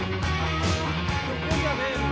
ここじゃねえんだ。